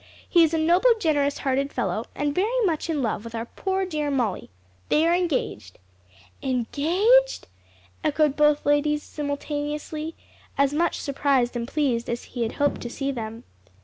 He is a noble, generous hearted fellow, and very much in love with our poor, dear Molly. They are engaged." "Engaged?" echoed both ladies simultaneously, as much surprised and pleased as he had hoped to see them.